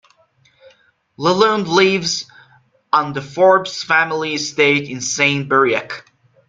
Lalonde lives on the Forbes family estate in Saint-Briac.